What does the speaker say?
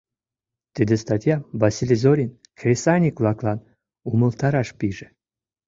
Тиде статьям Василий Зорин кресаньык-влаклан умылтараш пиже.